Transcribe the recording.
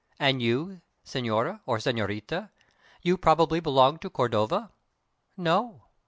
And you, senora, or senorita, you probably belong to Cordova?" "No."